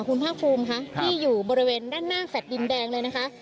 คุณภาคภูมิค่ะที่อยู่บริเวณด้านหน้าแฟลต์ดินแดงเลยนะคะ